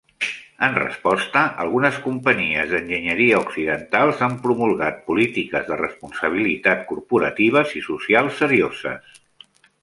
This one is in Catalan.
En resposta, algunes companyies d'enginyeria occidentals han promulgat polítiques de responsabilitat corporatives i socials serioses.